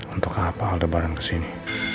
untuk apa aldebaran kesini